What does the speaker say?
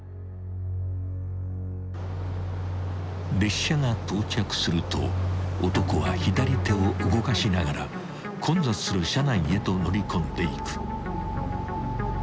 ［列車が到着すると男は左手を動かしながら混雑する車内へと乗り込んでいく］